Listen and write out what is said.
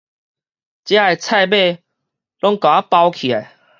遮的菜尾攏共包起來